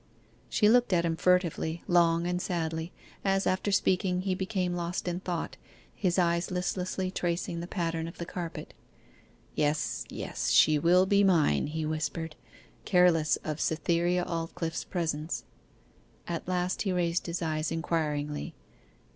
She looked at him furtively, long, and sadly, as after speaking he became lost in thought, his eyes listlessly tracing the pattern of the carpet. 'Yes, yes, she will be mine,' he whispered, careless of Cytherea Aldclyffe's presence. At last he raised his eyes inquiringly.